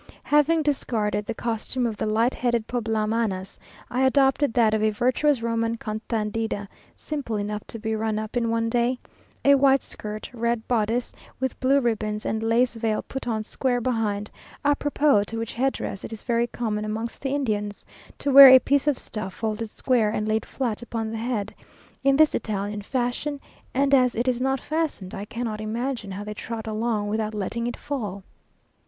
Having discarded the costume of the light headed Poblamanas, I adopted that of a virtuous Roman Contadina, simple enough to be run up in one day; a white skirt, red bodice, with blue ribbons, and lace veil put on square behind; à propos to which head dress, it is very common amongst the Indians to wear a piece of stuff folded square, and laid flat upon the head, in this Italian fashion; and as it is not fastened, I cannot imagine how they trot along, without letting it fall.